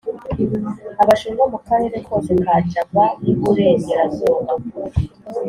Abashinwa mu karere kose ka Java y i Burengerazuba